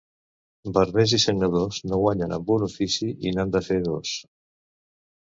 Barbers i sagnadors no guanyen amb un ofici i n'han de fer dos.